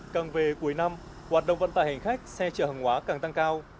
càng về cuối năm hoạt động vận tải hành khách xe chở hàng hóa càng tăng cao